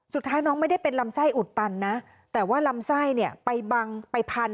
สุดท้ายน้องไม่ได้เป็นลำไส้อุดตันนะแต่ว่าลำไส้เนี่ยไปบังไปพัน